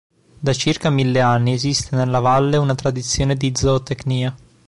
Da circa mille anni esiste nella valle una tradizione di zootecnia.